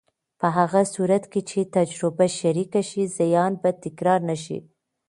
په هغه صورت کې چې تجربه شریکه شي، زیان به تکرار نه شي.